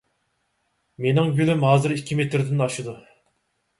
مېنىڭ گۈلۈم ھازىر ئىككى مېتىردىن ئاشىدۇ.